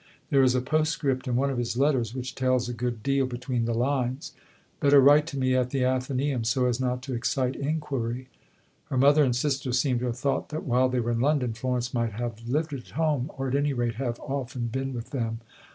There is a postscript in one of his letters which tells a good deal between the lines: "Better write to me at the Athenæum so as not to excite inquiry." Her mother and sister seem to have thought that while they were in London Florence might have lived at home, or, at any rate, have often been with them.